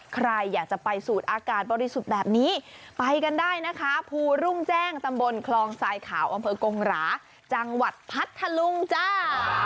ใครอยากจะไปสูดอากาศบริสุทธิ์แบบนี้ไปกันได้นะคะภูรุ่งแจ้งตำบลคลองทรายขาวอำเภอกงหราจังหวัดพัทธลุงจ้า